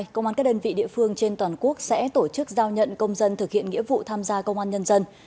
công an các đơn vị địa phương trên toàn quốc sẽ tổ chức giao nhận công dân thực hiện nghĩa vụ tham gia công an nhân dân